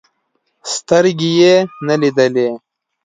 سترګې يې نه لیدلې.